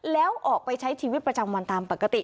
แล้วออกไปใช้ชีวิตประจำวันตามปกติ